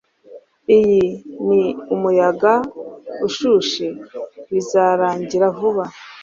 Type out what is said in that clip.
Iyi ni umuyaga ushushe. Bizarangira vuba.